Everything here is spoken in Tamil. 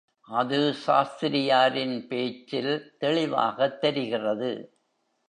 அது சாஸ்திரியாரின் பேச்சில் தெளிவாகத் தெரிகிறது.